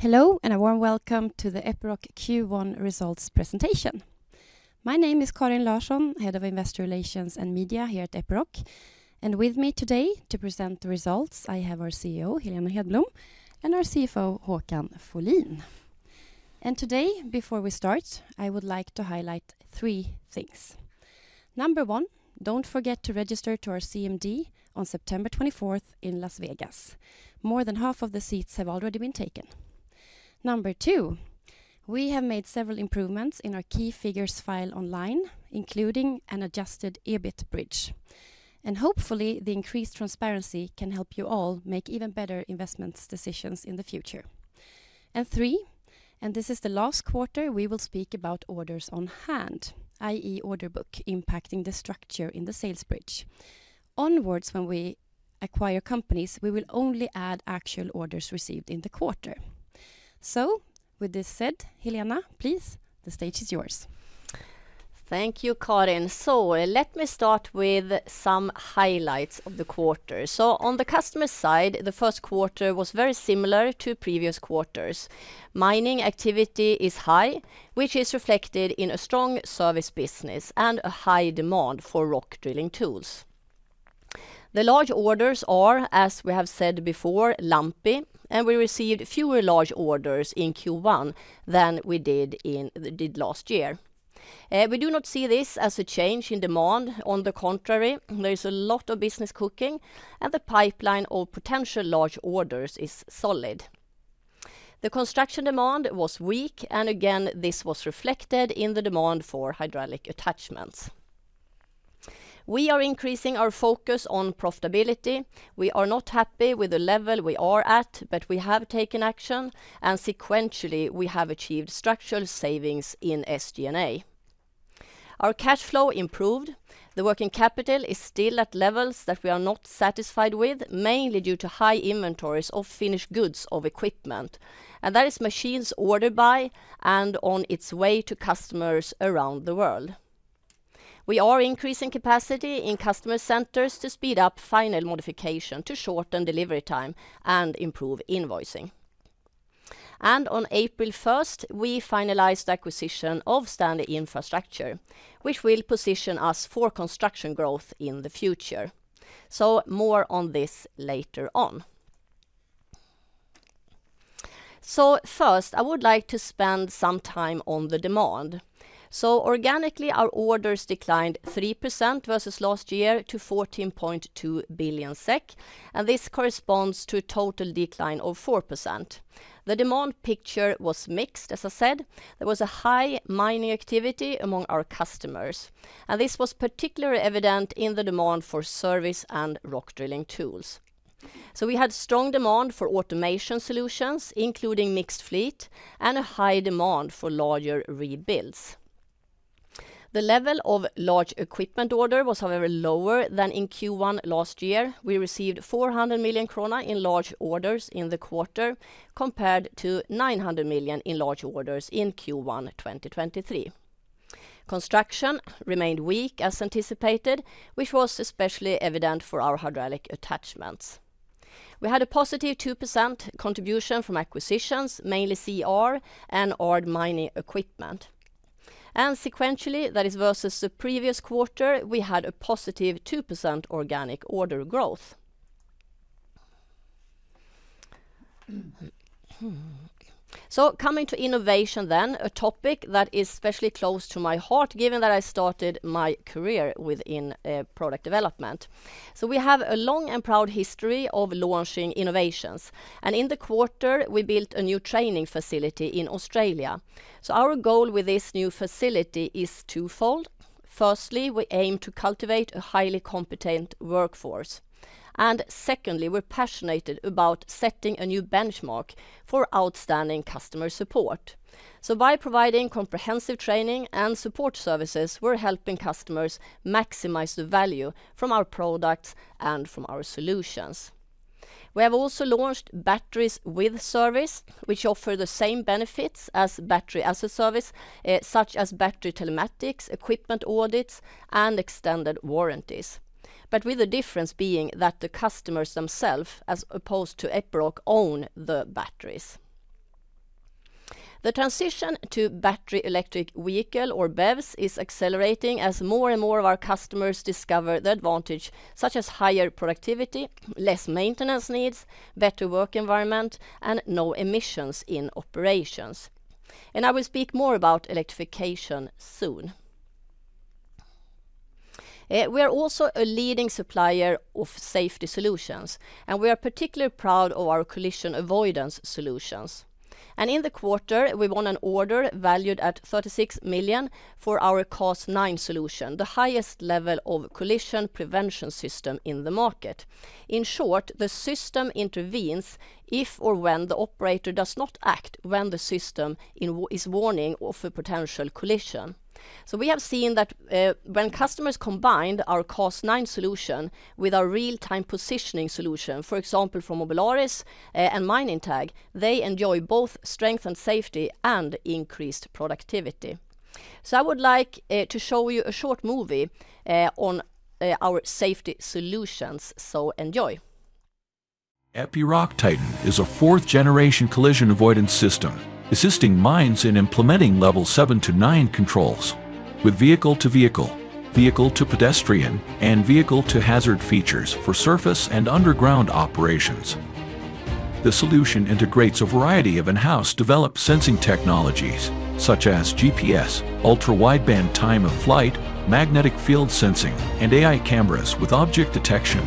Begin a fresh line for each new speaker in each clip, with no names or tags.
Hello, and a warm welcome to the Epiroc Q1 results presentation. My name is Karin Larsson, Head of Investor Relations and Media here at Epiroc, and with me today to present the results, I have our CEO, Helena Hedblom, and our CFO, Håkan Folin. Today, before we start, I would like to highlight three things. Number one, don't forget to register to our CMD on September 24 in Las Vegas. More than half of the seats have already been taken. Number two, we have made several improvements in our key figures file online, including an adjusted EBIT bridge. Hopefully, the increased transparency can help you all make even better investment decisions in the future. Three, and this is the last quarter we will speak about orders on hand, i.e., order book, impacting the structure in the sales bridge. Onwards, when we acquire companies, we will only add actual orders received in the quarter. With this said, Helena, please, the stage is yours.
Thank you, Karin. Let me start with some highlights of the quarter. On the customer side, the first quarter was very similar to previous quarters. Mining activity is high, which is reflected in a strong service business and a high demand for rock drilling tools. The large orders are, as we have said before, lumpy, and we received fewer large orders in Q1 than we did last year. We do not see this as a change in demand. On the contrary, there is a lot of business cooking, and the pipeline of potential large orders is solid. The construction demand was weak, and again, this was reflected in the demand for hydraulic attachments. We are increasing our focus on profitability. We are not happy with the level we are at, but we have taken action, and sequentially, we have achieved structural savings in SG&A. Our cash flow improved. The working capital is still at levels that we are not satisfied with, mainly due to high inventories of finished goods of equipment, and that is machines ordered by and on its way to customers around the world. We are increasing capacity in customer centers to speed up final modification, to shorten delivery time and improve invoicing. On April first, we finalized the acquisition of Stanley Infrastructure, which will position us for construction growth in the future. More on this later on. First, I would like to spend some time on the demand. Organically, our orders declined 3% versus last year to 14.2 billion SEK, and this corresponds to a total decline of 4%. The demand picture was mixed, as I said. There was a high mining activity among our customers, and this was particularly evident in the demand for service and rock drilling tools. So, we had strong demand for automation solutions, including mixed fleet, and a high demand for larger rebuilds. The level of large equipment order was, however, lower than in Q1 last year. We received 400 million krona in large orders in the quarter, compared to 900 million in large orders in Q1 2023. Construction remained weak, as anticipated, which was especially evident for our hydraulic attachments. We had a positive 2% contribution from acquisitions, mainly CR and AARD Mining Equipment. And sequentially, that is, versus the previous quarter, we had a positive 2% organic order growth. So, coming to innovation then, a topic that is especially close to my heart, given that I started my career within product development. We have a long and proud history of launching innovations, and in the quarter, we built a new training facility in Australia. Our goal with this new facility is twofold. Firstly, we aim to cultivate a highly competent workforce, and secondly, we're passionate about setting a new benchmark for outstanding customer support. By providing comprehensive training and support services, we're helping customers maximize the value from our products and from our solutions. We have also launched Batteries with Service, which offer the same benefits as Battery as a Service, such as battery telematics, equipment audits, and extended warranties, but with the difference being that the customers themselves, as opposed to Epiroc, own the batteries. The transition to battery electric vehicle, or BEVs, is accelerating as more and more of our customers discover the advantage, such as higher productivity, less maintenance needs, better work environment, and no emissions in operations. I will speak more about electrification soon. We are also a leading supplier of safety solutions, and we are particularly proud of our collision avoidance solutions. In the quarter, we won an order valued at 36 million for our Class 9 solution, the highest level of collision prevention system in the market. In short, the system intervenes if or when the operator does not act, when the system is warning of a potential collision. We have seen that, when customers combined our Class 9 solution with our real-time positioning solution, for example, from Mobilaris and Mining Tag, they enjoy both strength and safety and increased productivity. So, I would like to show you a short movie on our safety solutions. So, enjoy!
Epiroc Titan is a fourth-generation collision avoidance system, assisting mines in implementing Level 7-9 controls with vehicle-to-vehicle, vehicle-to-pedestrian, and vehicle-to-hazard features for surface and underground operations. The solution integrates a variety of in-house developed sensing technologies, such as GPS, ultra-wideband time-of-flight, magnetic field sensing, and AI cameras with object detection.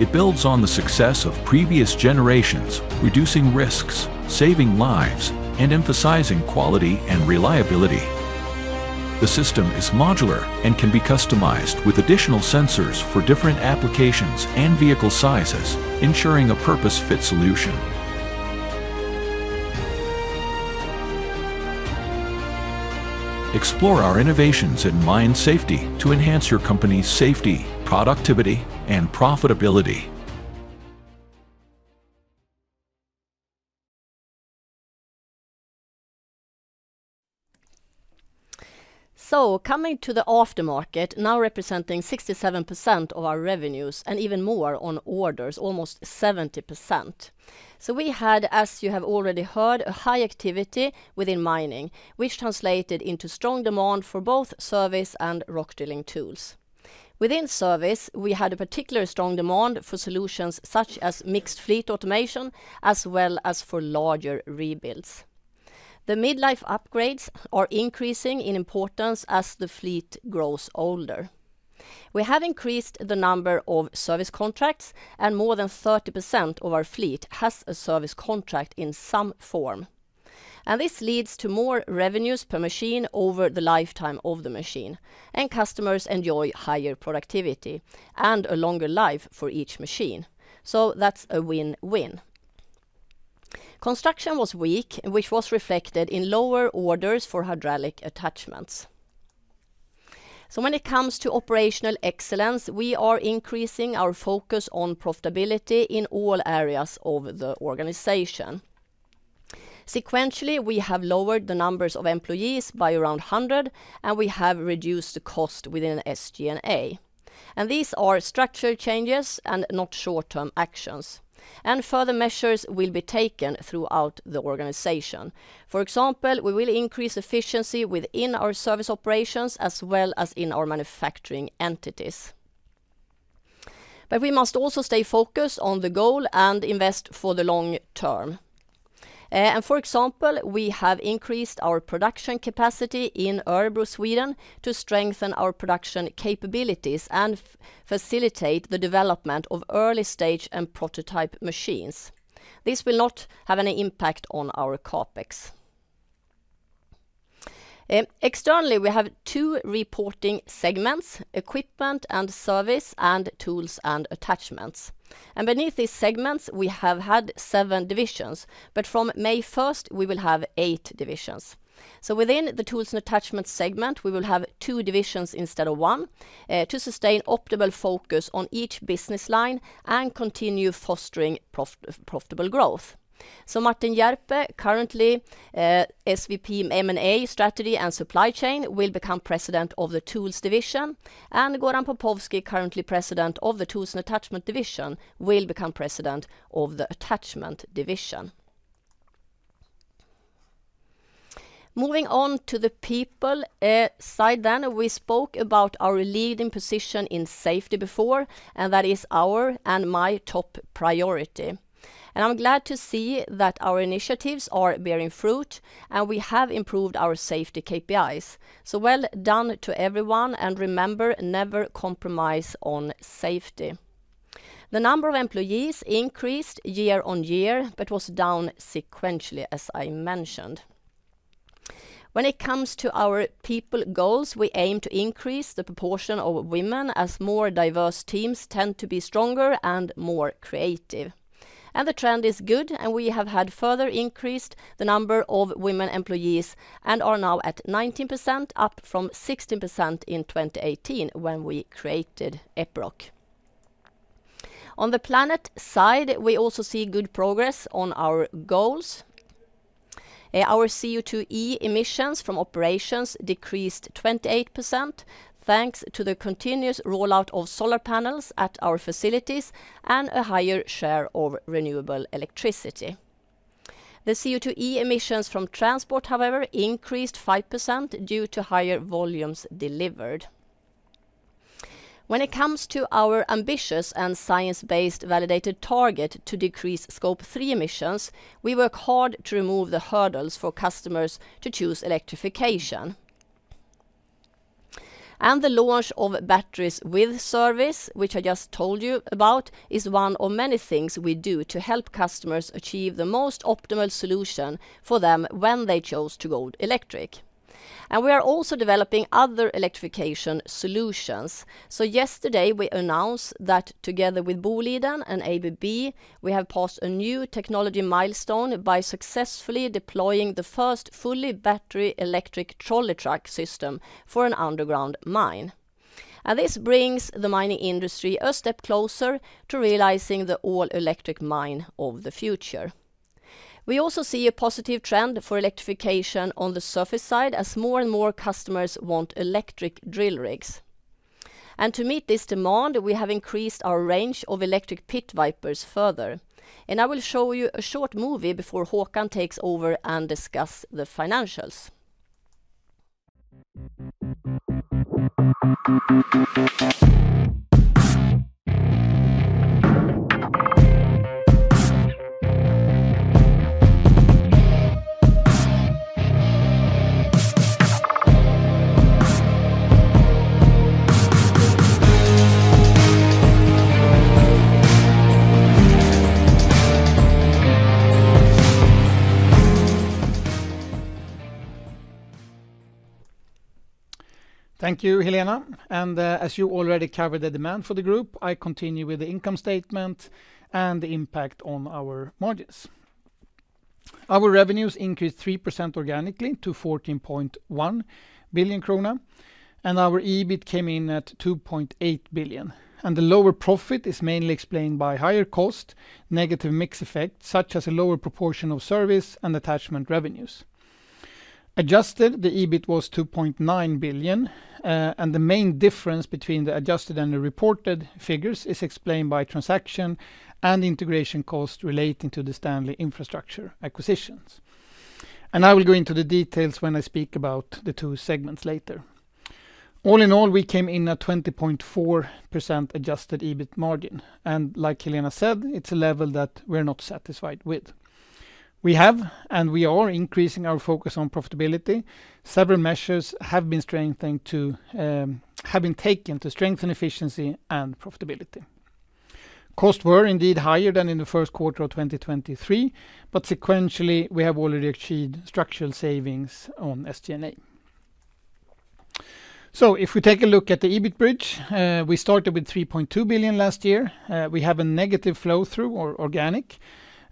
It builds on the success of previous generations, reducing risks, saving lives, and emphasizing quality and reliability. The system is modular and can be customized with additional sensors for different applications and vehicle sizes, ensuring a purpose-fit solution. Explore our innovations in mine safety to enhance your company's safety, productivity, and profitability.
So, coming to the aftermarket, now representing 67% of our revenues and even more on orders, almost 70%. So, we had, as you have already heard, a high activity within mining, which translated into strong demand for both service and rock drilling tools. Within service, we had a particular strong demand for solutions such as mixed fleet automation, as well as for larger rebuilds. The mid-life upgrades are increasing in importance as the fleet grows older. We have increased the number of service contracts, and more than 30% of our fleet has a service contract in some form. And this leads to more revenues per machine over the lifetime of the machine, and customers enjoy higher productivity and a longer life for each machine. So, that's a win-win. Construction was weak, which was reflected in lower orders for hydraulic attachments. So, when it comes to operational excellence, we are increasing our focus on profitability in all areas of the organization. Sequentially, we have lowered the numbers of employees by around 100, and we have reduced the cost within SG&A. These are structural changes and not short-term actions, and further measures will be taken throughout the organization. For example, we will increase efficiency within our service operations as well as in our manufacturing entities. But we must also stay focused on the goal and invest for the long term. And for example, we have increased our production capacity in Örebro, Sweden, to strengthen our production capabilities and facilitate the development of early-stage and prototype machines. This will not have any impact on our CapEx. Externally, we have two reporting segments: Equipment and Service, and Tools and Attachments. Beneath these segments, we have had seven divisions, but from May first, we will have eight divisions. So, within the Tools & Attachments segment, we will have two divisions instead of one, to sustain optimal focus on each business line and continue fostering profitable growth. So, Martin Hjerpe, currently SVP, M&A, Strategy, and Supply Chain, will become president of the Tools division, and Goran Popovski, currently president of the Tools & Attachments division, will become president of the Attachment division. Moving on to the people side then. We spoke about our leading position in safety before, and that is our and my top priority. And I'm glad to see that our initiatives are bearing fruit, and we have improved our safety KPIs. So, well done to everyone, and remember, never compromise on safety. The number of employees increased year on year, but was down sequentially, as I mentioned. When it comes to our people goals, we aim to increase the proportion of women, as more diverse teams tend to be stronger and more creative. The trend is good, and we have had further increased the number of women employees and are now at 19%, up from 16% in 2018 when we created Epiroc. On the planet side, we also see good progress on our goals. Our CO2e emissions from operations decreased 28%, thanks to the continuous rollout of solar panels at our facilities and a higher share of renewable electricity. The CO2e emissions from transport, however, increased 5% due to higher volumes delivered. When it comes to our ambitious and science-based validated target to decrease Scope 3 emissions, we work hard to remove the hurdles for customers to choose electrification. The launch of Batteries with Service, which I just told you about, is one of many things we do to help customers achieve the most optimal solution for them when they chose to go electric. We are also developing other electrification solutions. Yesterday, we announced that together with Boliden and ABB, we have passed a new technology milestone by successfully deploying the first fully battery electric trolley truck system for an underground mine. This brings the mining industry a step closer to realizing the all-electric mine of the future. We also see a positive trend for electrification on the surface side as more and more customers want electric drill rigs... To meet this demand, we have increased our range of electric Pit Vipers further. I will show you a short movie before Håkan takes over and discuss the financials.
Thank you, Helena. As you already covered the demand for the group, I continue with the income statement and the impact on our margins. Our revenues increased 3% organically to 14.1 billion krona, and our EBIT came in at 2.8 billion. The lower profit is mainly explained by higher cost, negative mix effect, such as a lower proportion of service and attachment revenues. Adjusted, the EBIT was 2.9 billion, and the main difference between the adjusted and the reported figures is explained by transaction and integration costs relating to the Stanley Infrastructure acquisitions. I will go into the details when I speak about the two segments later. All in all, we came in at 20.4% adjusted EBIT margin, and like Helena said, it's a level that we're not satisfied with. We have, and we are increasing our focus on profitability. Several measures have been strengthened to have been taken to strengthen efficiency and profitability. Costs were indeed higher than in the first quarter of 2023, but sequentially, we have already achieved structural savings on SG&A. So, if we take a look at the EBIT bridge, we started with 3.2 billion last year. We have a negative flow-through or organic,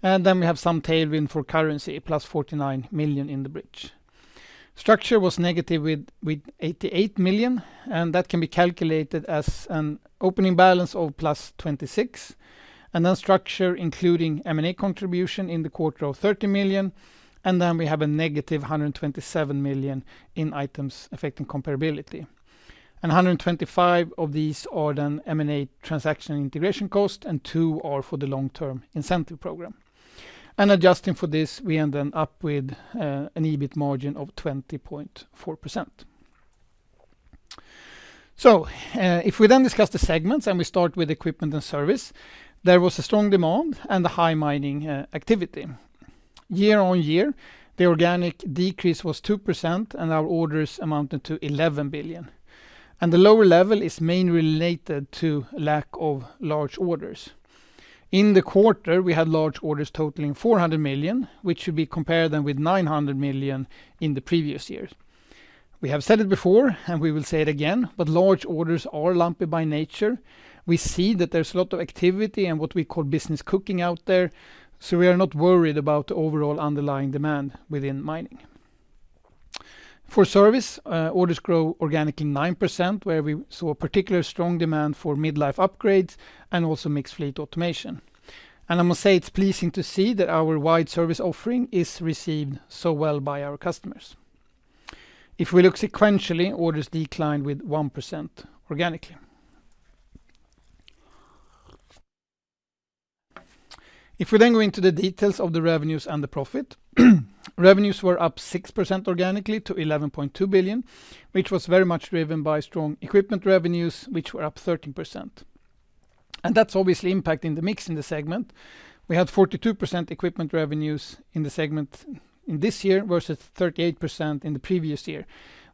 and then we have some tailwind for currency, +49 million in the bridge. Structure was negative with 88 million, and that can be calculated as an opening balance of +26, and then structure, including M&A contribution in the quarter of 30 million, and then we have a negative 127 million in items affecting comparability. 125 of these are then M&A transaction integration cost, and two are for the long-term incentive program. Adjusting for this, we end then up with an EBIT margin of 20.4%. If we then discuss the segments, and we start with equipment and service, there was a strong demand and a high mining activity. Year-on-year, the organic decrease was 2%, and our orders amounted to 11 billion. The lower level is mainly related to lack of large orders. In the quarter, we had large orders totaling 400 million, which should be compared then with 900 million in the previous years. We have said it before, and we will say it again, but large orders are lumpy by nature. We see that there's a lot of activity and what we call business cooking out there, so we are not worried about the overall underlying demand within mining. For service, orders grow organically 9%, where we saw a particular strong demand for mid-life upgrades and also mixed fleet automation. And I must say it's pleasing to see that our wide service offering is received so well by our customers. If we look sequentially, orders declined with 1% organically. If we then go into the details of the revenues and the profit, revenues were up 6% organically to 11.2 billion, which was very much driven by strong equipment revenues, which were up 13%. And that's obviously impacting the mix in the segment. We had 42% equipment revenues in the segment in this year versus 38% in the previous year,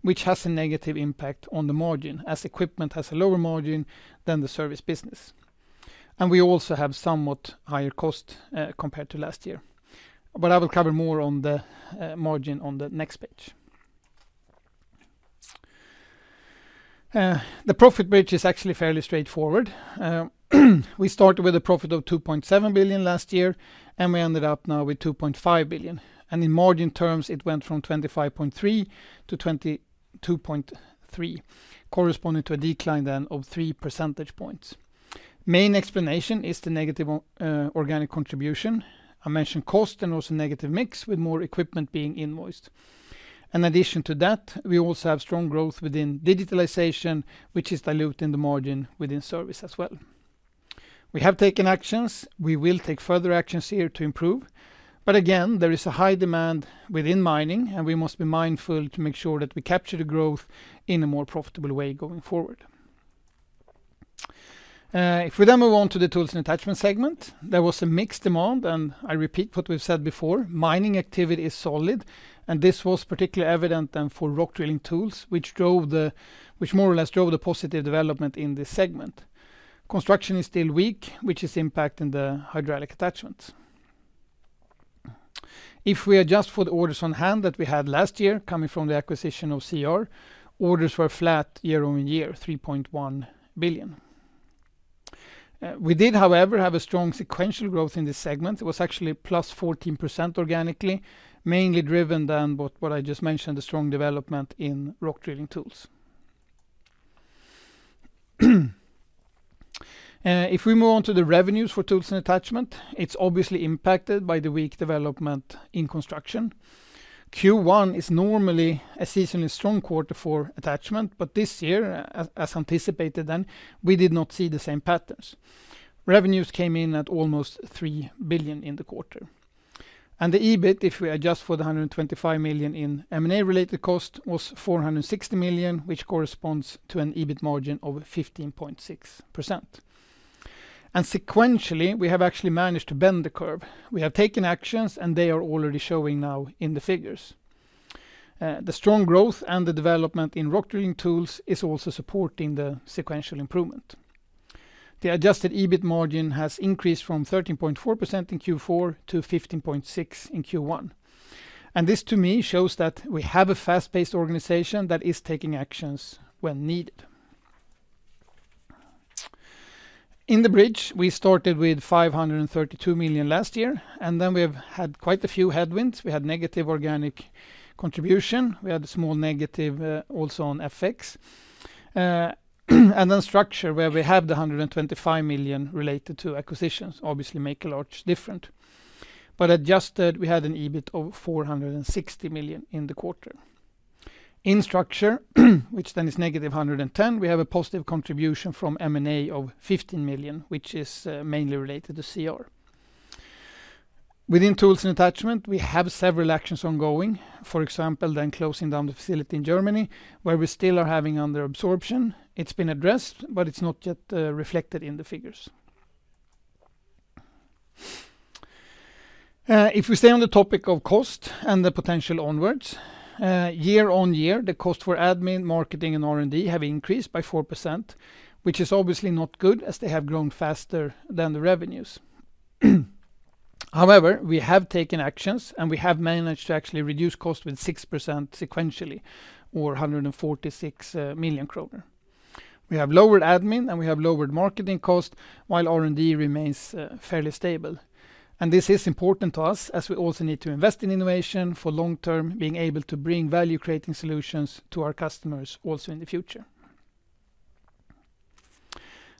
which has a negative impact on the margin, as equipment has a lower margin than the service business. We also have somewhat higher cost, compared to last year. But I will cover more on the, margin on the next page. The profit bridge is actually fairly straightforward. We started with a profit of 2.7 billion last year, and we ended up now with 2.5 billion. In margin terms, it went from 25.3%-22.3%, corresponding to a decline then of three percentage points. Main explanation is the negative organic contribution. I mentioned cost and also negative mix, with more equipment being invoiced. In addition to that, we also have strong growth within digitalization, which is diluting the margin within service as well. We have taken actions. We will take further actions here to improve. But again, there is a high demand within mining, and we must be mindful to make sure that we capture the growth in a more profitable way going forward. If we then move on to the Tools & Attachments segment, there was a mixed demand, and I repeat what we've said before, mining activity is solid, and this was particularly evident than for rock drilling tools, which more or less drove the positive development in this segment. Construction is still weak, which is impacting the hydraulic attachments. If we adjust for the orders on hand that we had last year, coming from the acquisition of CR, orders were flat year-over-year, 3.1 billion. We did, however, have a strong sequential growth in this segment. It was actually +14% organically, mainly driven than what, what I just mentioned, the strong development in rock drilling tools. If we move on to the revenues for Tools & Attachments, it's obviously impacted by the weak development in construction. Q1 is normally a seasonally strong quarter for attachment, but this year, as anticipated then, we did not see the same patterns. Revenues came in at almost 3 billion in the quarter. The EBIT, if we adjust for the 125 million in M&A-related cost, was 460 million, which corresponds to an EBIT margin of 15.6%. Sequentially, we have actually managed to bend the curve. We have taken actions, and they are already showing now in the figures. The strong growth and the development in rock drilling tools is also supporting the sequential improvement. The adjusted EBIT margin has increased from 13.4% in Q4 to 15.6% in Q1. And this, to me, shows that we have a fast-paced organization that is taking actions when needed. In the bridge, we started with 532 million last year, and then we have had quite a few headwinds. We had negative organic contribution. We had a small negative also on FX. And then structure, where we had the 125 million related to acquisitions, obviously make a large difference. But adjusted, we had an EBIT of 460 million in the quarter. In structure, which then is -110, we have a positive contribution from M&A of 15 million, which is, mainly related to CR. Within Tools & Attachments, we have several actions ongoing. For example, then closing down the facility in Germany, where we still are having under absorption. It's been addressed, but it's not yet, reflected in the figures. If we stay on the topic of cost and the potential onwards, year-on-year, the cost for admin, marketing, and R&D have increased by 4%, which is obviously not good, as they have grown faster than the revenues. However, we have taken actions, and we have managed to actually reduce cost with 6% sequentially, or 146 million kronor. We have lowered admin, and we have lowered marketing cost, while R&D remains, fairly stable. And this is important to us, as we also need to invest in innovation for long-term, being able to bring value-creating solutions to our customers also in the future.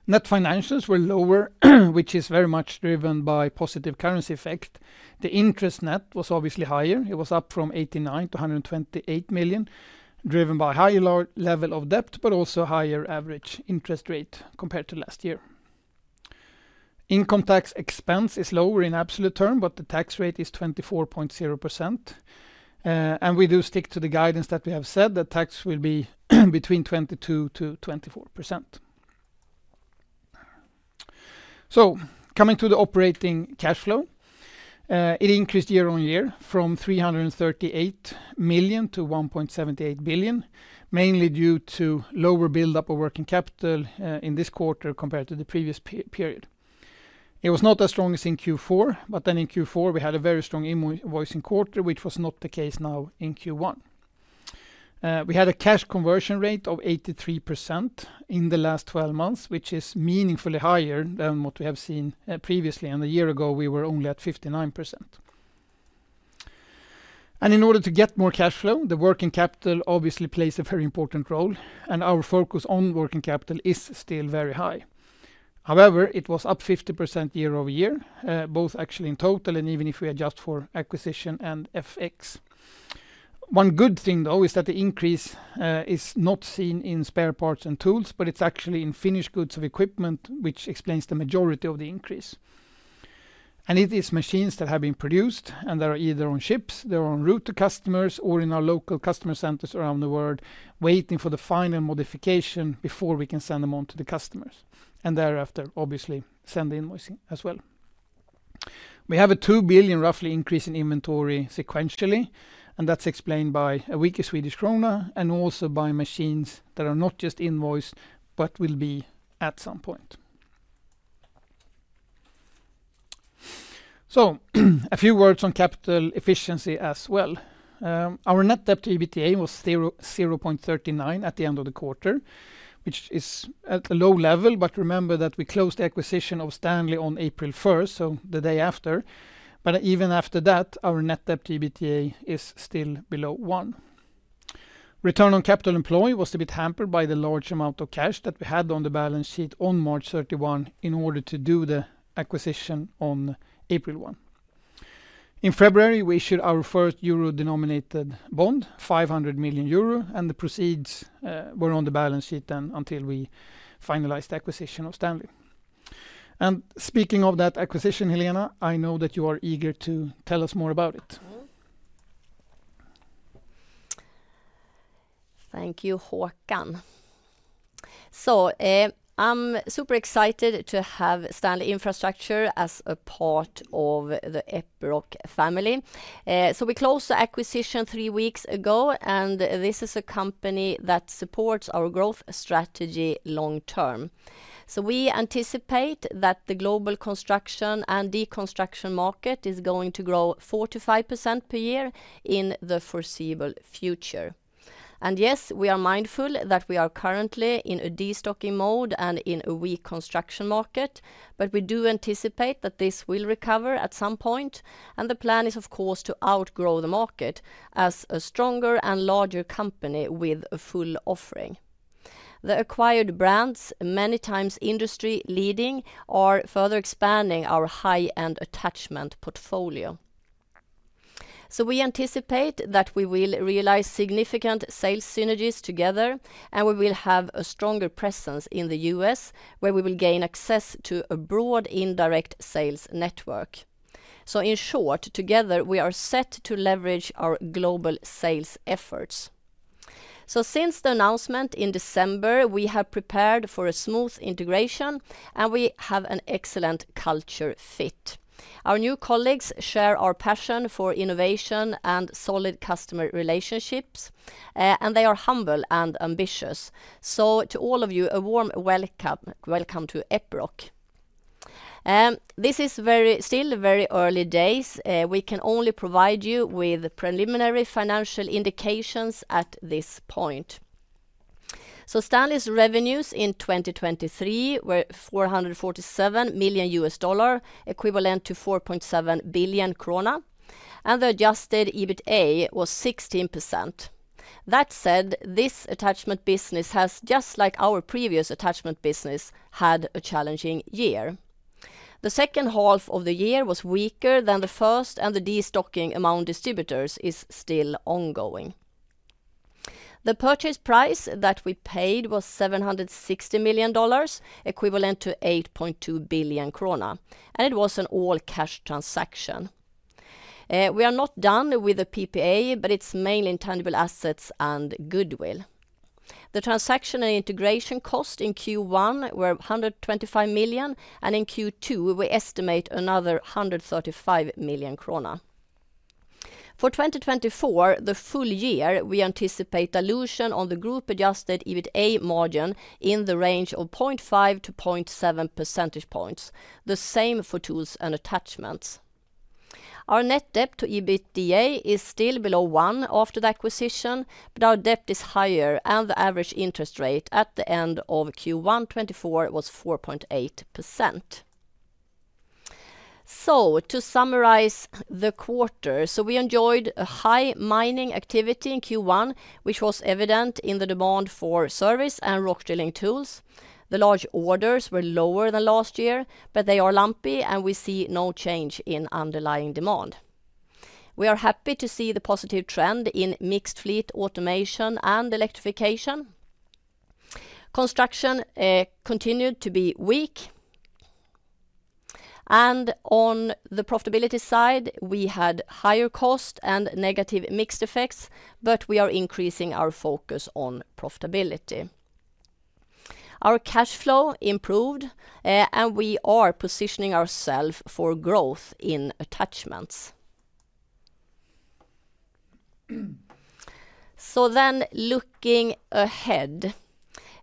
Net financials were lower, which is very much driven by positive currency effect. The interest net was obviously higher. It was up from 89 million to 128 million, driven by higher level of debt, but also higher average interest rate compared to last year. Income tax expense is lower in absolute term, but the tax rate is 24.0%. And we do stick to the guidance that we have said, that tax will be between 22%-24%. So, coming to the operating cash flow, it increased year-on-year from 338 million to 1.78 billion, mainly due to lower buildup of working capital in this quarter compared to the previous period. It was not as strong as in Q4, but then in Q4, we had a very strong invoicing quarter, which was not the case now in Q1. We had a cash conversion rate of 83% in the last twelve months, which is meaningfully higher than what we have seen previously, and a year ago, we were only at 59%. And in order to get more cash flow, the working capital obviously plays a very important role, and our focus on working capital is still very high. However, it was up 50% year-over-year, both actually in total, and even if we adjust for acquisition and FX. One good thing, though, is that the increase is not seen in spare parts and tools, but it's actually in finished goods of equipment, which explains the majority of the increase. And it is machines that have been produced and they are either on ships, they are en route to customers, or in our local customer centers around the world, waiting for the final modification before we can send them on to the customers, and thereafter, obviously, send the invoicing as well. We have a roughly 2 billion increase in inventory sequentially, and that's explained by a weaker Swedish krona and also by machines that are not just invoiced but will be at some point. So, a few words on capital efficiency as well. Our net debt to EBITDA was 0.39 at the end of the quarter, which is at a low level, but remember that we closed the acquisition of Stanley on April 1, so the day after. But even after that, our net debt to EBITDA is still below 1. Return on capital employed was a bit hampered by the large amount of cash that we had on the balance sheet on March 31 in order to do the acquisition on April 1. In February, we issued our first euro-denominated bond, 500 million euro, and the proceeds were on the balance sheet then until we finalized the acquisition of Stanley. And speaking of that acquisition, Helena, I know that you are eager to tell us more about it.
Thank you, Håkan. So, I'm super excited to have Stanley Infrastructure as a part of the Epiroc family. So, we closed the acquisition three weeks ago, and this is a company that supports our growth strategy long term. So, we anticipate that the global construction and deconstruction market is going to grow 4%-5% per year in the foreseeable future. And yes, we are mindful that we are currently in a destocking mode and in a weak construction market. But we do anticipate that this will recover at some point, and the plan is, of course, to outgrow the market as a stronger and larger company with a full offering. The acquired brands, many times industry leading, are further expanding our high-end attachment portfolio. So, we anticipate that we will realize significant sales synergies together, and we will have a stronger presence in the U.S., where we will gain access to a broad indirect sales network. So in short, together, we are set to leverage our global sales efforts. So since the announcement in December, we have prepared for a smooth integration, and we have an excellent culture fit. Our new colleagues share our passion for innovation and solid customer relationships, and they are humble and ambitious. So to all of you, a warm welcome. Welcome to Epiroc. This is very, still very early days. We can only provide you with preliminary financial indications at this point. So, Stanley's revenues in 2023 were $447 million, equivalent to 4.7 billion krona, and the adjusted EBITA was 16%. That said, this attachment business has, just like our previous attachment business, had a challenging year. The second half of the year was weaker than the first, and the destocking among distributors is still ongoing. The purchase price that we paid was $760 million, equivalent to 8.2 billion krona, and it was an all-cash transaction. We are not done with the PPA, but it's mainly intangible assets and goodwill. The transaction and integration cost in Q1 were 125 million, and in Q2, we estimate another 135 million krona. For 2024, the full year, we anticipate dilution on the group-adjusted EBITA margin in the range of 0.5-0.7 percentage points, the same for Tools & Attachments. Our net debt to EBITDA is still below one after the acquisition, but our debt is higher, and the average interest rate at the end of Q1 2024 was 4.8%. So, to summarize the quarter, we enjoyed a high mining activity in Q1, which was evident in the demand for service and rock drilling tools. The large orders were lower than last year, but they are lumpy, and we see no change in underlying demand. We are happy to see the positive trend in mixed fleet automation and electrification. Construction continued to be weak. And on the profitability side, we had higher cost and negative mixed effects, but we are increasing our focus on profitability. Our cash flow improved, and we are positioning ourselves for growth in attachments. So then, looking ahead.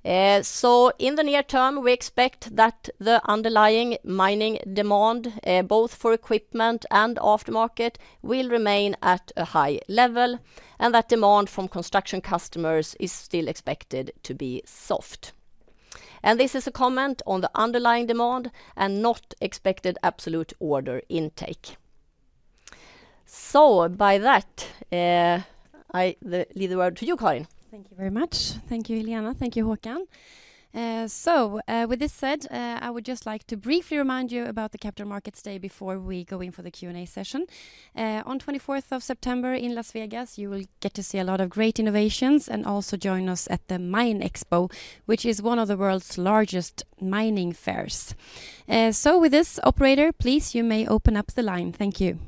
So, in the near term, we expect that the underlying mining demand, both for equipment and aftermarket, will remain at a high level, and that demand from construction customers is still expected to be soft. And this is a comment on the underlying demand and not expected absolute order intake. So, by that, I leave the word to you, Karin.
Thank you very much. Thank you, Helena. Thank you, Håkan. So, with this said, I would just like to briefly remind you about the Capital Markets Day before we go in for the Q&A session. On 24 September in Las Vegas, you will get to see a lot of great innovations and also join us at the MINExpo, which is one of the world's largest mining fairs. So, with this, operator, please, you may open up the line. Thank you.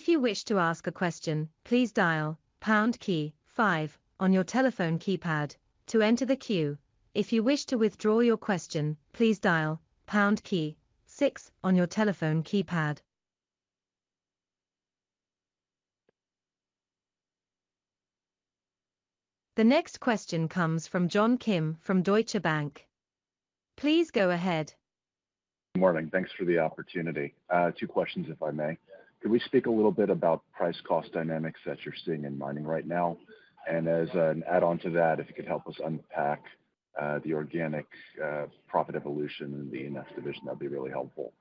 If you wish to ask a question, please dial pound key five on your telephone keypad to enter the queue. If you wish to withdraw your question, please dial pound key six on your telephone keypad. The next question comes from John Kim from Deutsche Bank. Please go ahead.
Morning. Thanks for the opportunity. Two questions, if I may. Can we speak a little bit about price-cost dynamics that you're seeing in mining right now? And as an add-on to that, if you could help us unpack the organic profit evolution in the E&S division, that'd be really helpful.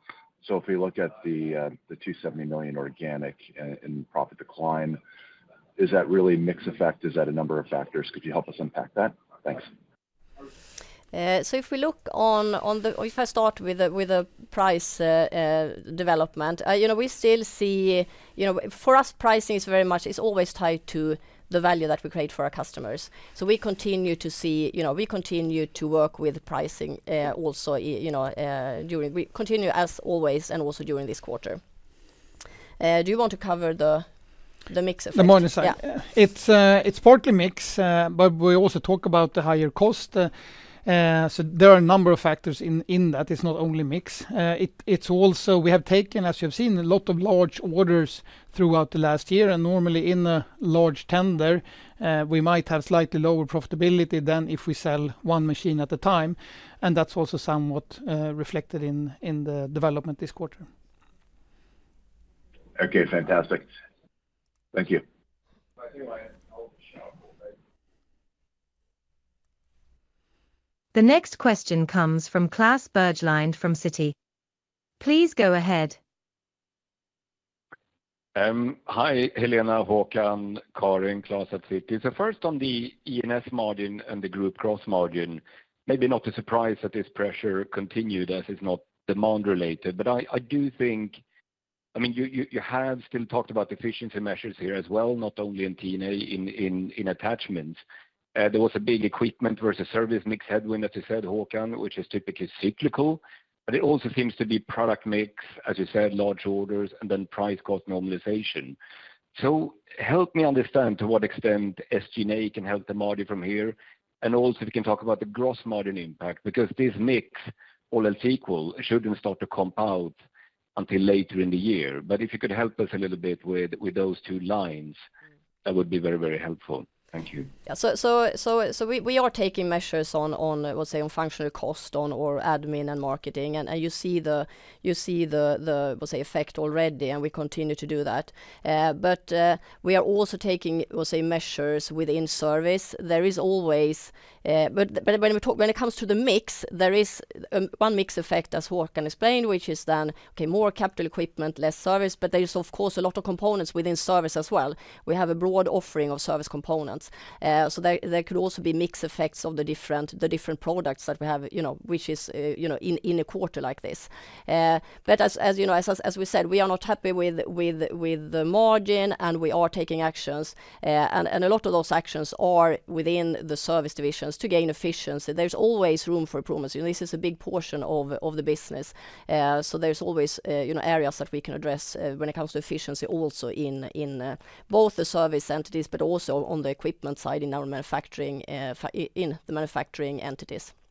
So, if we look at the 270 million organic in profit decline, is that really mix effect? Is that a number of factors? Could you help us unpack that? Thanks.
So, if we look on the... If I start with a price development, you know, we still see- You know, for us, pricing is very much, it's always tied to the value that we create for our customers. So, we continue to see... You know, we continue to work with pricing, also, you know, during, we continue as always and also during this quarter. Do you want to cover the mix effect?
The mining side?
Yeah.
It's partly mix, but we also talk about the higher cost. So, there are a number of factors in that. It's not only mix. It's also, we have taken, as you have seen, a lot of large orders throughout the last year, and normally in a large tender, we might have slightly lower profitability than if we sell one machine at a time, and that's also somewhat reflected in the development this quarter....
Okay, fantastic. Thank you.
The next question comes from Klas Bergelind from Citi. Please go ahead.
Hi, Helena, Håkan, Karin, Klas at Citi. So, first on the E&S margin and the group gross margin, maybe not a surprise that this pressure continued, as it's not demand related. But I do think—I mean, you have still talked about efficiency measures here as well, not only in T&A, in attachments. There was a big equipment versus service mix headwind, as you said, Håkan, which is typically cyclical, but it also seems to be product mix, as you said, large orders, and then price cost normalization. So, help me understand to what extent SG&A can help the margin from here, and also, we can talk about the gross margin impact, because this mix, all else equal, shouldn't start to comp out until later in the year. But if you could help us a little bit with those two lines, that would be very, very helpful. Thank you.
Yeah, so we are taking measures on, let's say, on functional cost, or admin and marketing, and you see the, let's say, effect already, and we continue to do that. But we are also taking, we'll say, measures within service. There is always... But when it comes to the mix, there is one mix effect, as Håkan explained, which is then, okay, more capital equipment, less service, but there is, of course, a lot of components within service as well. We have a broad offering of service components. So, there could also be mix effects of the different products that we have, you know, which is, you know, in a quarter like this. But as you know, as we said, we are not happy with the margin, and we are taking actions. And a lot of those actions are within the service divisions to gain efficiency. There's always room for improvements. You know, this is a big portion of the business. So, there's always, you know, areas that we can address, when it comes to efficiency, also in both the service entities, but also on the equipment side, in our manufacturing, in the manufacturing entities.
And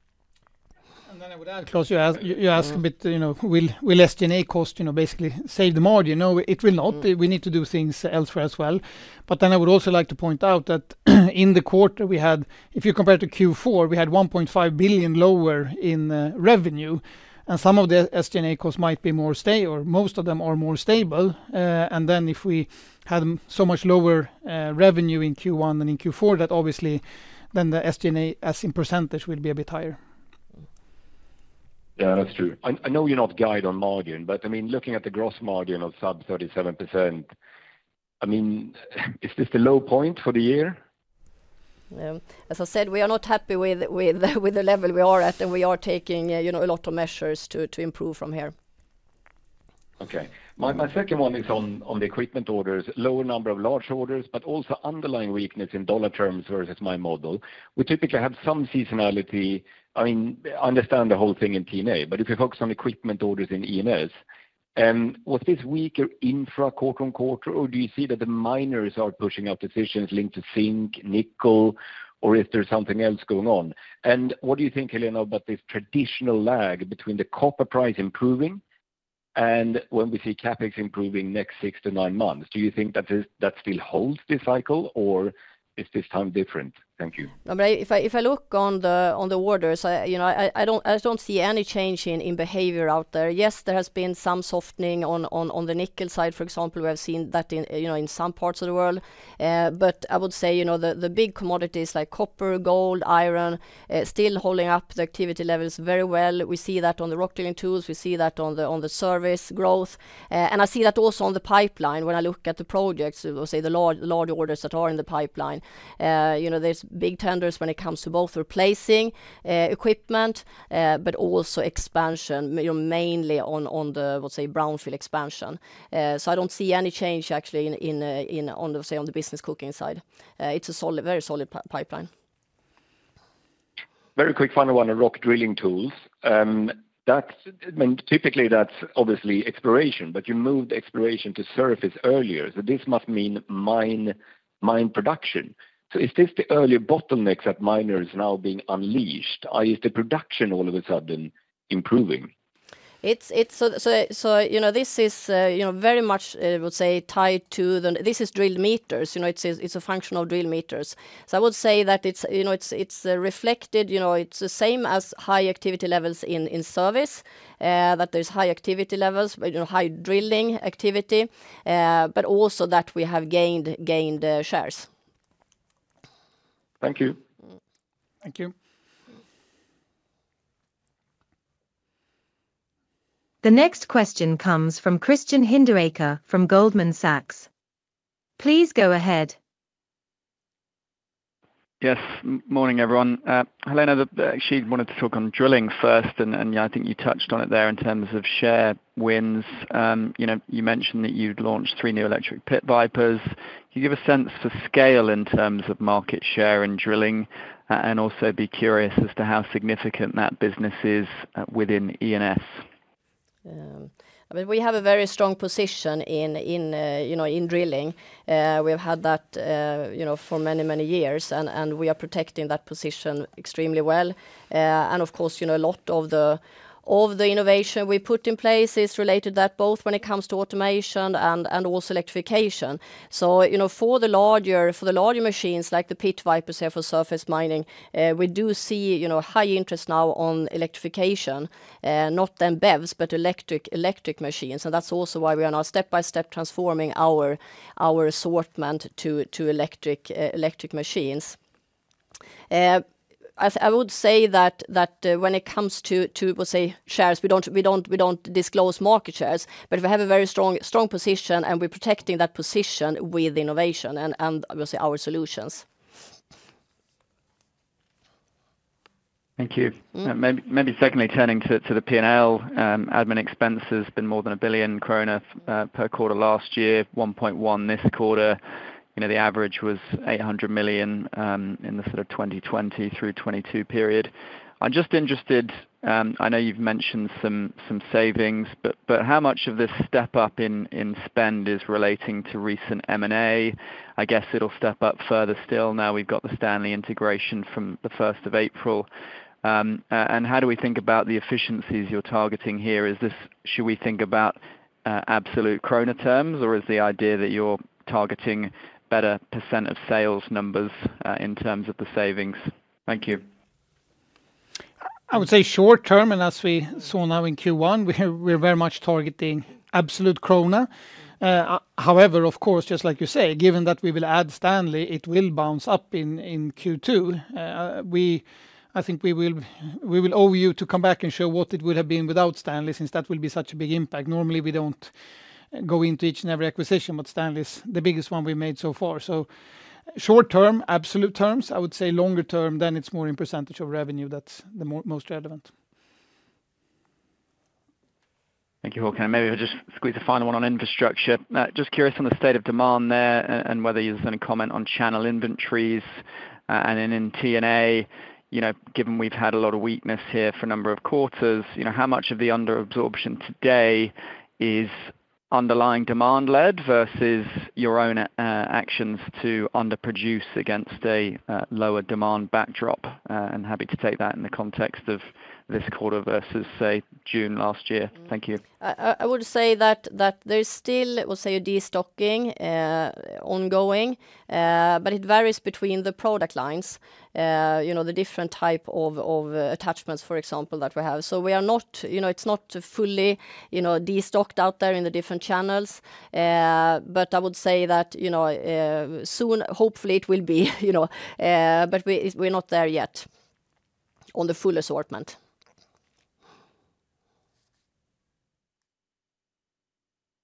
then I would add, Klas, you ask, you ask a bit, you know, will SG&A cost, you know, basically save the margin? You know, it will not. We need to do things elsewhere as well. But then I would also like to point out that, in the quarter we had, if you compared to Q4, we had 1.5 billion lower in revenue, and some of the SG&A costs might be more or most of them are more stable. And then if we had so much lower revenue in Q1 than in Q4, that obviously, then the SG&A, as in percentage, will be a bit higher.
Yeah, that's true. I know you're not guiding on margin, but, I mean, looking at the gross margin of sub-37%, I mean, is this the low point for the year?
As I said, we are not happy with the level we are at, and we are taking, you know, a lot of measures to improve from here.
Okay. My, my second one is on, on the equipment orders. Lower number of large orders, but also underlying weakness in dollar terms versus my model. We typically have some seasonality. I mean, I understand the whole thing in T&A, but if you focus on equipment orders in E&S, was this weaker infra quarter on quarter, or do you see that the miners are pushing out decisions linked to zinc, nickel, or if there's something else going on? And what do you think, Helena, about this traditional lag between the copper price improving and when we see CapEx improving next six to nine months? Do you think that is, that still holds this cycle, or is this time different? Thank you.
If I look on the orders, you know, I don't see any change in behavior out there. Yes, there has been some softening on the nickel side, for example. We have seen that in, you know, in some parts of the world. But I would say, you know, the big commodities like copper, gold, iron still holding up the activity levels very well. We see that on the rock drilling tools. We see that on the service growth. And I see that also on the pipeline when I look at the projects, we'll say the large orders that are in the pipeline. You know, there's big tenders when it comes to both replacing equipment but also expansion, you know, mainly on the, we'll say, brownfield expansion. So, I don't see any change actually in on the, say, on the bookings side. It's a solid, very solid pipeline.
Very quick final one on rock drilling tools. I mean, typically, that's obviously exploration, but you moved exploration to surface earlier, so this must mean mine production. So, is this the early bottlenecks that miners now being unleashed? Or is the production all of a sudden improving?
It's... So, you know, this is, you know, very much, we'll say, tied to the... This is drilled meters. You know, it's a functional drill meters. So, I would say that it's, you know, it's reflected, you know, it's the same as high activity levels in service, that there's high activity levels, but, you know, high drilling activity, but also that we have gained shares.
Thank you.
Thank you.
The next question comes from Kristian Hinderaker from Goldman Sachs. Please go ahead.
Yes. Morning, everyone. Helena, actually wanted to talk on drilling first, and, and, yeah, I think you touched on it there in terms of share wins. You know, you mentioned that you'd launched three new electric Pit Vipers. Can you give a sense for scale in terms of market share and drilling? And also be curious as to how significant that business is, within E&S.
I mean, we have a very strong position in, in, you know, in drilling. We've had that, you know, for many, many years, and, and we are protecting that position extremely well. And of course, you know, a lot of the, of the innovation we put in place is related to that, both when it comes to automation and, and also electrification. So, you know, for the larger, for the larger machines, like the Pit Vipers here for surface mining, we do see, you know, high interest now on electrification, not then BEVs, but electric, electric machines. So that's also why we are now step by step transforming our, our assortment to, to electric, electric machines. I would say that when it comes to, we'll say, shares, we don't disclose market shares, but we have a very strong position, and we're protecting that position with innovation and obviously our solutions.
Thank you. Maybe secondly, turning to the PL, admin expenses been more than 1 billion krona per quarter last year, 1.1 this quarter. You know, the average was 800 million in the sort of 2020 through 2022 period. I'm just interested, I know you've mentioned some savings, but how much of this step up in spend is relating to recent M&A? I guess it'll step up further still now we've got the Stanley integration from the first of April. And how do we think about the efficiencies you're targeting here? Is this, should we think about absolute krona terms, or is the idea that you're targeting better % of sales numbers in terms of the savings? Thank you.
I would say short term, and as we saw now in Q1, we're very much targeting absolute krona. However, of course, just like you say, given that we will add Stanley, it will bounce up in Q2. I think we will owe you to come back and show what it would have been without Stanley, since that will be such a big impact. Normally, we don't go into each and every acquisition, but Stanley's the biggest one we've made so far. So short term, absolute terms, I would say longer term, then it's more in percentage of revenue that's the most relevant.
Thank you, Håkan. Maybe I'll just squeeze a final one on infrastructure. Just curious on the state of demand there, and whether you're going to comment on channel inventories. And then in T&A, you know, given we've had a lot of weakness here for a number of quarters, you know, how much of the under absorption today is underlying demand-led versus your own, actions to underproduce against a lower demand backdrop? And happy to take that in the context of this quarter versus, say, June last year. Thank you.
I would say that there is still, let's say, a destocking ongoing, but it varies between the product lines, you know, the different type of attachments, for example, that we have. So, we are not, you know, it's not fully, you know, destocked out there in the different channels. But I would say that, you know, soon, hopefully, it will be, you know, but we're not there yet on the full assortment.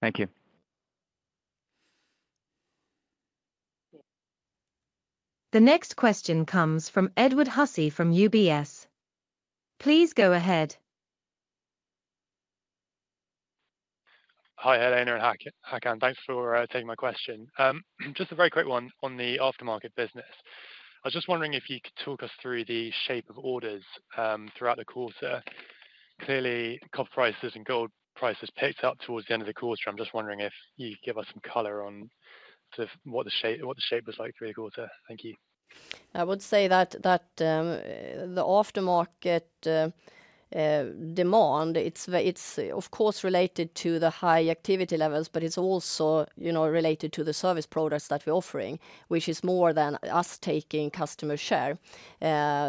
Thank you.
The next question comes from Edward Hussey from UBS. Please go ahead.
Hi, Helena and Håkan. Thanks for taking my question. Just a very quick one on the aftermarket business. I was just wondering if you could talk us through the shape of orders throughout the quarter. Clearly, copper prices and gold prices picked up towards the end of the quarter. I'm just wondering if you could give us some color on sort of what the shape, what the shape was like through the quarter. Thank you.
I would say that the aftermarket demand. It's of course related to the high activity levels, but it's also, you know, related to the service products that we're offering, which is more than us taking customer share.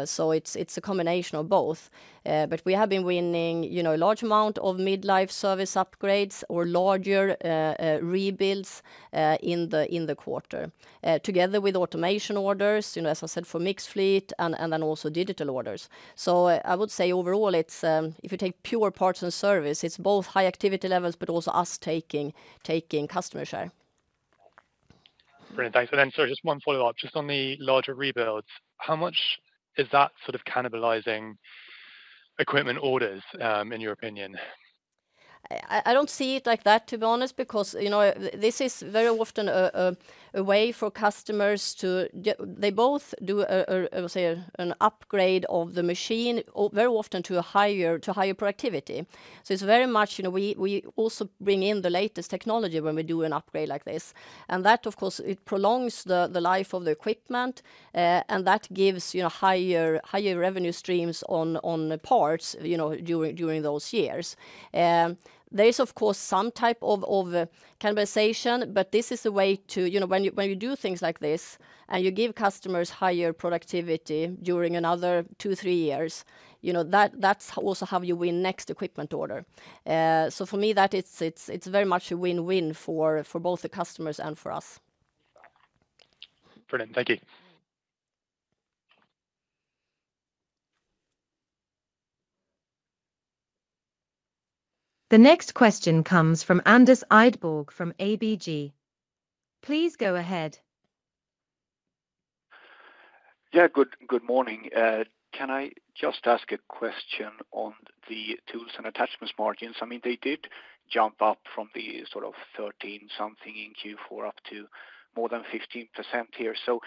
So, it's a combination of both. But we have been winning, you know, a large amount of mid-life service upgrades or larger rebuilds in the quarter together with automation orders, you know, as I said, for mixed fleet and then also digital orders. So, I would say overall, it's if you take pure parts and service, it's both high activity levels, but also us taking customer share.
Great, thanks. And then, sorry, just one follow-up. Just on the larger rebuilds, how much is that sort of cannibalizing equipment orders, in your opinion?
I don't see it like that, to be honest, because, you know, this is very often a way for customers. They both do a, I would say, an upgrade of the machine, or very often to higher productivity. So, it's very much, you know, we also bring in the latest technology when we do an upgrade like this. And that, of course, it prolongs the life of the equipment, and that gives, you know, higher revenue streams on the parts, you know, during those years. There is, of course, some type of cannibalization, but this is a way to... You know, when you do things like this, and you give customers higher productivity during another two, three years, you know, that that's also how you win next equipment order. So for me, that it's very much a win-win for both the customers and for us.
Brilliant. Thank you.
The next question comes from Anders Idborg from ABG. Please go ahead.
Yeah, good morning. Can I just ask a question on the Tools & Attachments margins? I mean, they did jump up from the sort of 13-something in Q4 up to more than 15% here. So,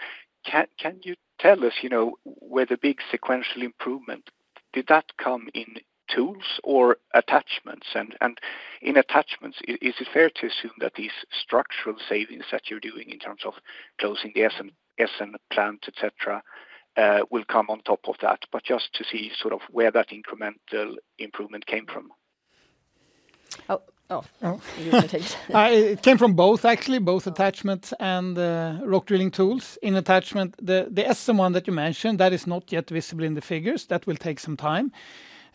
can you tell us, you know, where the big sequential improvement, did that come in tools or attachments? And in attachments, is it fair to assume that these structural savings that you're doing in terms of closing the Essen plant, et cetera, will come on top of that? But just to see sort of where that incremental improvement came from.
Oh, oh.
It came from both, actually, both attachments and rock drilling tools. In attachment, the Essen one that you mentioned, that is not yet visible in the figures. That will take some time.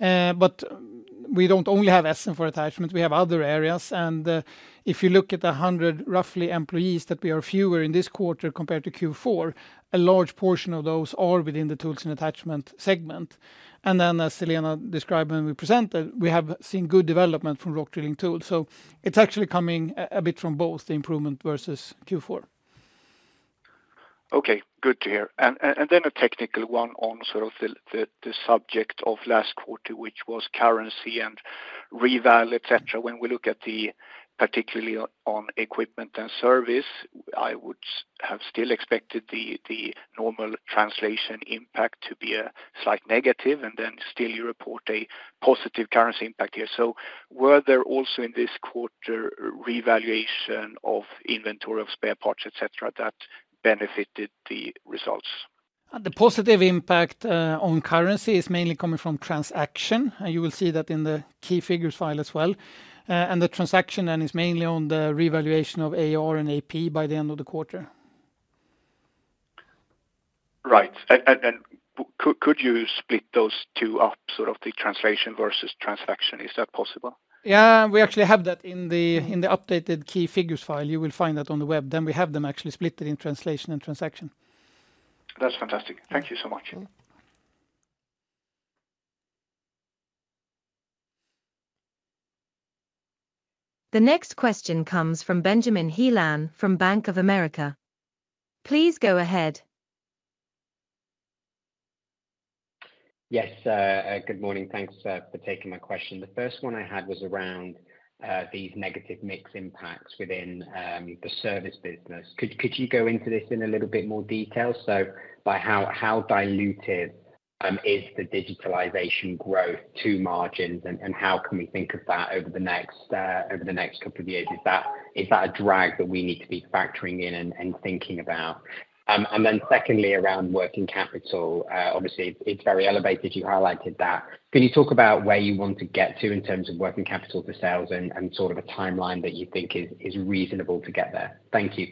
We don't only have Essen for attachment; we have other areas. And if you look at the 100, roughly employees that we are fewer in this quarter compared to Q4, a large portion of those are within the Tools & Attachments segment. And then, as Helena described when we presented, we have seen good development from rock drilling tools. So, it's actually coming a bit from both the improvement versus Q4.
Okay, good to hear. And then a technical one on sort of the subject of last quarter, which was currency and reval, et cetera. When we look at the particularly on equipment and service, I would have still expected the normal translation impact to be a slight negative, and then still you report a positive currency impact here. So, were there also in this quarter revaluation of inventory of spare parts et cetera that benefited the results?
The positive impact on currency is mainly coming from transaction, and you will see that in the key figures file as well. The transaction then is mainly on the revaluation of AR and AP by the end of the quarter.
Right. And could you split those two up, sort of the translation versus transaction? Is that possible?
Yeah, we actually have that in the updated key figures file. You will find that on the web. Then we have them actually split it in translation and transaction.
That's fantastic. Thank you so much.
The next question comes from Benjamin Heelan from Bank of America. Please go ahead.
Yes, good morning. Thanks for taking my question. The first one I had was around these negative mix impacts within the service business. Could you go into this in a little bit more detail? So, by how diluted is the digitalization growth to margins, and how can we think of that over the next couple of years? Is that a drag that we need to be factoring in and thinking about? And then secondly, around working capital, obviously, it's very elevated. You highlighted that. Can you talk about where you want to get to in terms of working capital for sales and sort of a timeline that you think is reasonable to get there? Thank you.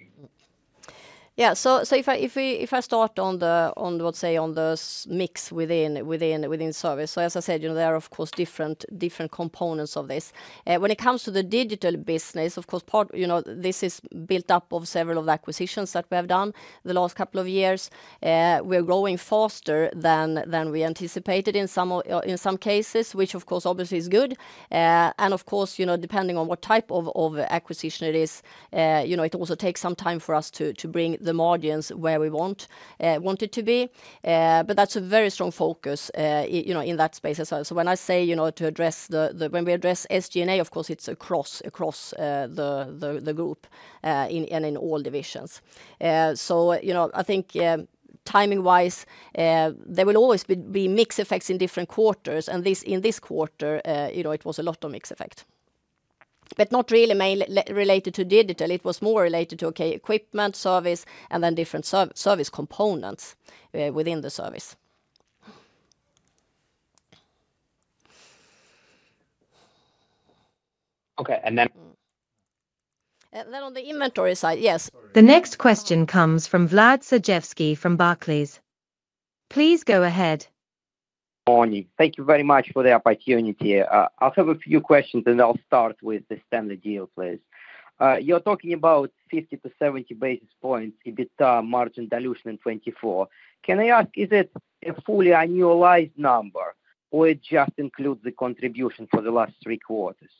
Yeah, so if I start on the, let's say on the service mix within service. So, as I said, you know, there are of course different components of this. When it comes to the digital business, of course, you know, this is built up of several of the acquisitions that we have done the last couple of years. We're growing faster than we anticipated in some cases, which of course, obviously is good. And of course, you know, depending on what type of acquisition it is, you know, it also takes some time for us to bring the margins where we want it to be. But that's a very strong focus, you know, in that space as well. So when I say, you know, when we address SG&A, of course, it's across the group in all divisions. So, you know, I think, timing-wise, there will always be mix effects in different quarters, and in this quarter, you know, it was a lot of mix effect. But not really mainly related to digital, it was more related to, okay, equipment, service, and then different service components within the service.
Okay, and then-
And then on the inventory side, yes.
The next question comes from Vlad Sergievsky from Barclays. Please go ahead.
Morning. Thank you very much for the opportunity. I'll have a few questions, and I'll start with the Stanley deal, please. You're talking about 50-70 basis points, EBITA, margin dilution in 2024. Can I ask, is it a fully annualized number, or it just includes the contribution for the last 3 quarters?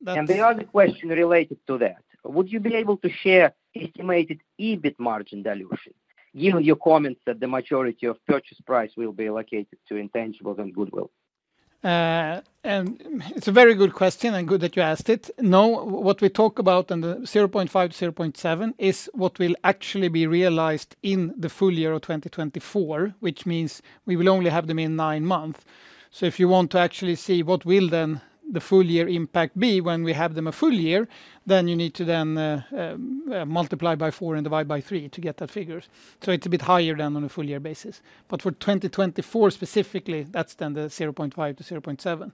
That's-
The other question related to that, would you be able to share estimated EBIT margin dilution, given your comments that the majority of purchase price will be allocated to intangibles and goodwill?
And it's a very good question, and good that you asked it. No, what we talk about on the 0.5-0.7 is what will actually be realized in the full year of 2024, which means we will only have them in nine months. So if you want to actually see what the full year impact will then be when we have them a full year, then you need to then, multiply by 4 and divide by 3 to get that figure. So, it's a bit higher than on a full year basis. But for 2024, specifically, that's then the 0.5-0.7.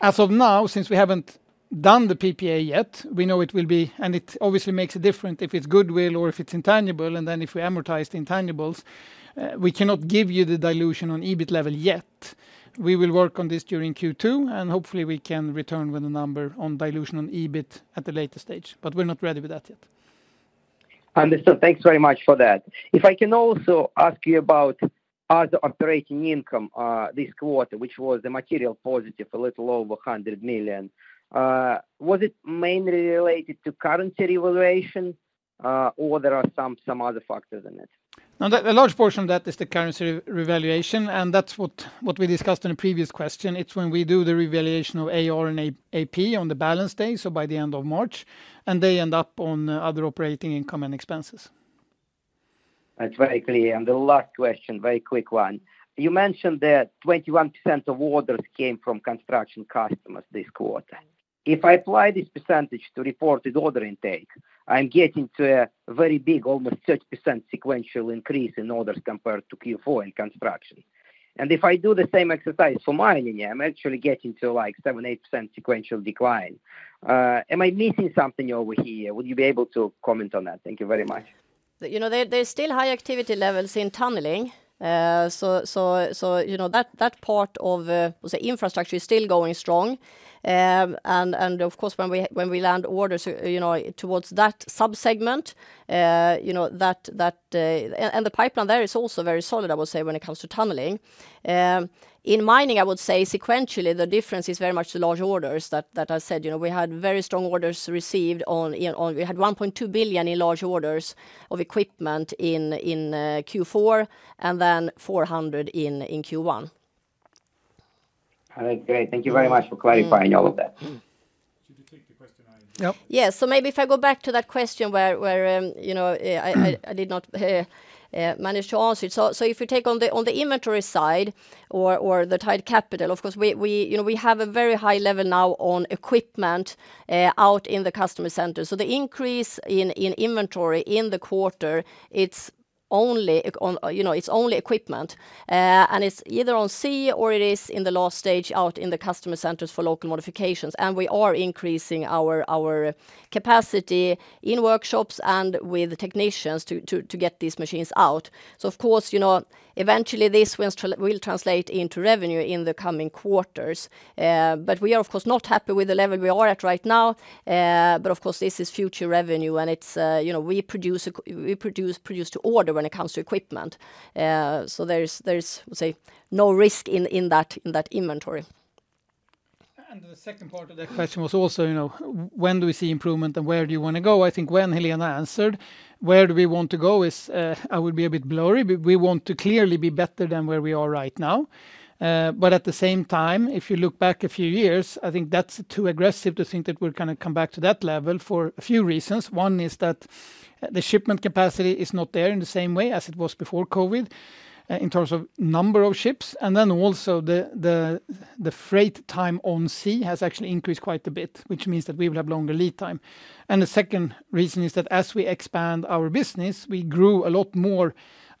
As of now, since we haven't done the PPA yet, we know it will be... It obviously makes a difference if it's goodwill or if it's intangible, and then if we amortize the intangibles, we cannot give you the dilution on EBIT level yet. We will work on this during Q2, and hopefully, we can return with a number on dilution on EBIT at a later stage, but we're not ready with that yet.
Understood. Thanks very much for that. If I can also ask you about other operating income, this quarter, which was a material positive, a little over 100 million. Was it mainly related to currency revaluation, or there are some other factors in it?
Now, the large portion of that is the currency revaluation, and that's what we discussed in a previous question. It's when we do the revaluation of AR and AP on the balance date, so by the end of March, and they end up on other operating income and expenses.
That's very clear. And the last question, very quick one. You mentioned that 21% of orders came from construction customers this quarter. If I apply this percentage to reported order intake, I'm getting to a very big, almost 30% sequential increase in orders compared to Q4 in construction. And if I do the same exercise for mining, I'm actually getting to, like, 7-8% sequential decline. Am I missing something over here? Would you be able to comment on that? Thank you very much.
You know, there, there's still high activity levels in tunneling. You know that part of, we'll say, infrastructure is still going strong. And of course, when we land orders, you know, towards that sub-segment, you know, that, that... The pipeline there is also very solid, I would say, when it comes to tunneling. In mining, I would say sequentially, the difference is very much the large orders that I said. You know, we had very strong orders received. You know, we had 1.2 billion in large orders of equipment in Q4, and then 400 million in Q1.
All right, great. Thank you very much for clarifying all of that. Should you take the question on?
Yep.
Yes, so maybe if I go back to that question where you know I did not manage to answer it. So, if you take on the inventory side or the tied capital, of course, you know, we have a very high level now on equipment out in the customer center. So, the increase in inventory in the quarter, it's only on, you know, it's only equipment and it's either on sea or it is in the last stage out in the customer centers for local modifications. And we are increasing our capacity in workshops and with technicians to get these machines out. So of course, you know, eventually this will translate into revenue in the coming quarters. But we are, of course, not happy with the level we are at right now. But of course, this is future revenue, and it's, you know, we produce to order when it comes to equipment. So, there is, let's say, no risk in that inventory.
The second part of that question was also, you know, when do we see improvement, and where do you wanna go? I think when Helena answered, where do we want to go is, I would be a bit blurry, but we want to clearly be better than where we are right now. But at the same time, if you look back a few years, I think that's too aggressive to think that we're gonna come back to that level for a few reasons. One is that the shipment capacity is not there in the same way as it was before COVID, in terms of number of ships, and then also the freight time on sea has actually increased quite a bit, which means that we will have longer lead time. The second reason is that as we expand our business, we grew a lot more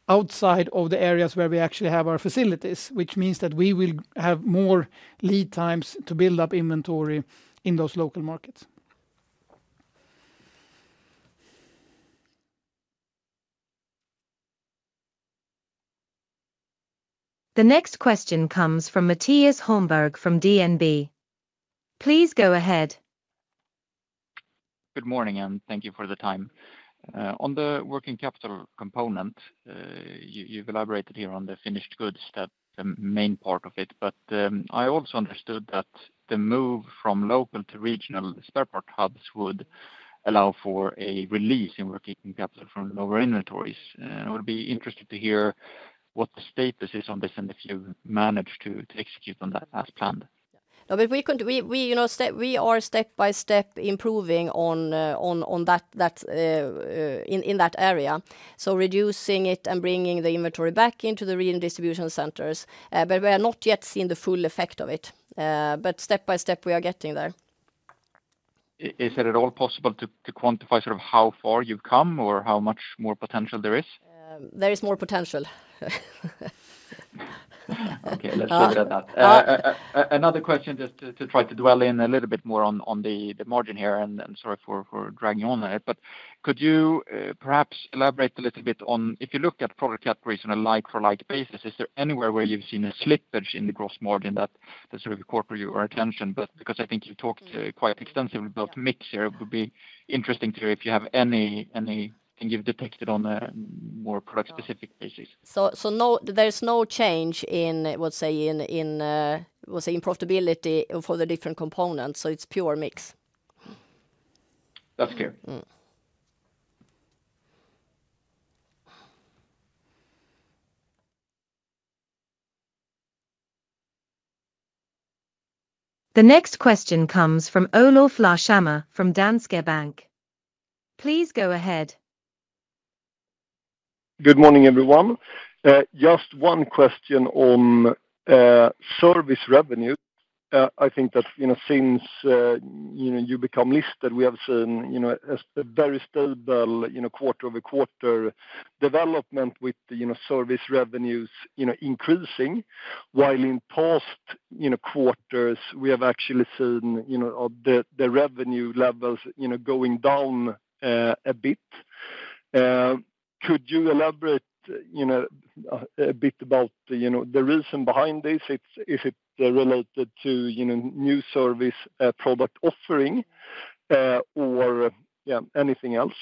outside of the areas where we actually have our facilities, which means that we will have more lead times to build up inventory in those local markets.
The next question comes from Mattias Holmberg from DNB. Please go ahead.
Good morning and thank you for the time. On the working capital component, you’ve elaborated here on the finished goods that the main part of it, but I also understood that the move from local to regional spare part hubs would allow for a release in working capital from lower inventories. I would be interested to hear what the status is on this and if you’ve managed to execute on that as planned.
No, but we could, you know, we are step by step improving on that in that area, so, reducing it and bringing the inventory back into the real distribution centers. But we are not yet seeing the full effect of it. But step by step, we are getting there.
Is it at all possible to quantify sort of how far you've come or how much more potential there is?
There is more potential.
Okay, let's leave it at that. Another question, just to try to dwell in a little bit more on the margin here, and sorry for dragging on it, but could you perhaps elaborate a little bit on... If you look at product categories on a like-for-like basis, is there anywhere where you've seen a slippage in the gross margin that sort of caught your attention? But because I think you talked quite extensively about mix here, it would be interesting to hear if you have any thing you've detected on a more product-specific basis.
So, no, there is no change in, let's say, profitability for the different components, so it's pure mix.
That's clear.
The next question comes from Olof Larshammar from Danske Bank. Please go ahead.
Good morning, everyone. Just one question on service revenue. I think that, you know, since you know, you become listed, we have seen, you know, a very stable, you know, quarter-over-quarter development with the, you know, service revenues, you know, increasing, while in past, you know, quarters, we have actually seen, you know, of the revenue levels, you know, going down a bit. Could you elaborate, you know, a bit about, you know, the reason behind this? Is it related to, you know, new service product offering, or, yeah, anything else?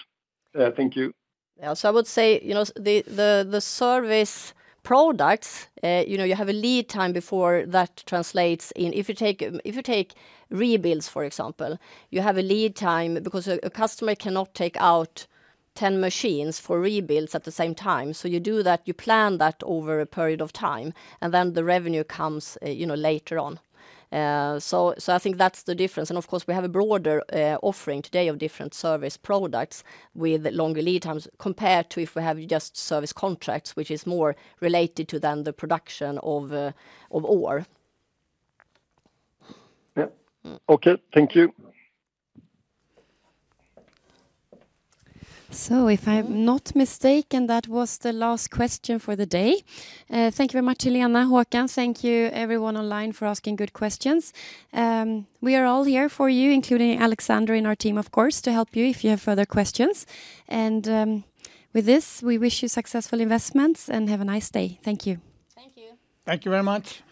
Thank you.
Yeah, so, I would say, you know, the service products, you know, you have a lead time before that translates in... If you take rebuilds, for example, you have a lead time because a customer cannot take out 10 machines for rebuilds at the same time. So, you do that, you plan that over a period of time, and then the revenue comes, you know, later on. So, I think that's the difference. And of course, we have a broader offering today of different service products with longer lead times, compared to if we have just service contracts, which is more related to then the production of ore.
Yeah. Okay, thank you.
So, if I'm not mistaken, that was the last question for the day. Thank you very much, Helena, Håkan. Thank you everyone online for asking good questions. We are all here for you, including Alexander in our team, of course, to help you if you have further questions. And with this, we wish you successful investments, and have a nice day. Thank you.
Thank you.
Thank you very much.